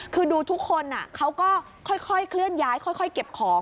คือดูทุกคนเขาก็ค่อยเคลื่อนย้ายค่อยเก็บของ